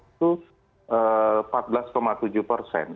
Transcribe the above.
itu empat belas tujuh persen